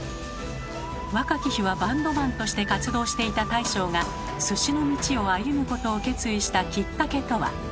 若き日はバンドマンとして活動していた大将が鮨の道を歩むことを決意したきっかけとは？